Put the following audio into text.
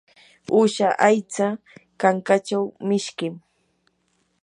uusha aycha kankachaw mishkim.